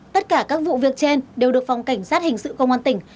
tất cả các vụ việc trên đều được phòng cảnh sát hình sự công an tỉnh